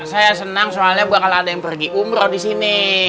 saya senang soalnya bakal ada yang pergi umroh disini